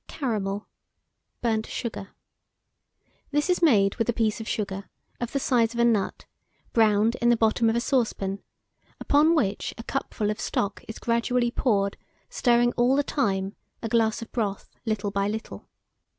CARAMEL (burnt sugar). This is made with a piece of sugar, of the size of a nut, browned in the bottom of a saucepan; upon which a cupful of stock is gradually poured, stirring all the time a glass of broth, little by little.